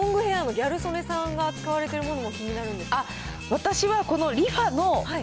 そして、ロングヘアのギャル曽根さんが使われているものも気になるんです